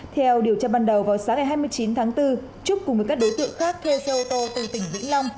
theo điều tra ban đầu vào sáng ngày hai mươi chín tháng bốn trúc cùng với các đối tượng khác thuê xe ô tô từ tỉnh vĩnh long